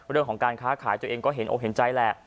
เรื่องของการค้าขายตัวเองก็เห็นอกเห็นใจแหละ